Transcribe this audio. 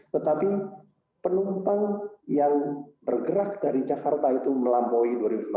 tetapi penumpang yang bergerak dari jakarta itu melampaui dua ribu sembilan belas